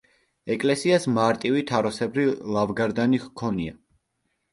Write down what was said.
ეკლესიას მარტივი, თაროსებრი ლავგარდანი ჰქონია.